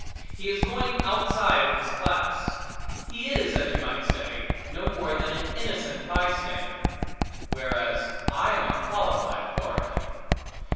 He is going outside of his class. He is, as you might say, no more than an innocent bystander. Whereas I am a qualified authority.